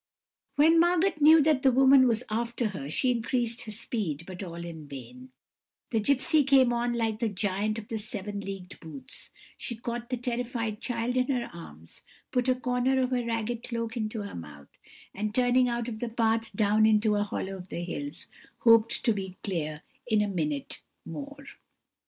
"When Margot knew that the woman was after her she increased her speed, but all in vain; the gipsy came on like the giant with the seven leagued boots; she caught the terrified child in her arms, put a corner of her ragged cloak into her mouth, and, turning out of the path down into a hollow of the hills, hoped to be clear in a minute more.